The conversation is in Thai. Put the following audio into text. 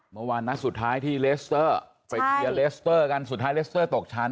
เมื่อวานสุดท้ายที่เลสเตอร์เขยันมาก่อน